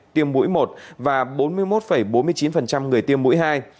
tiêm mũi một và bốn mươi một bốn mươi chín người tiêm mũi hai